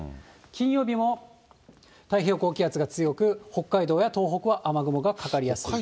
金曜日も太平洋高気圧が強く、北海道や東北は雨雲がかかりやすい。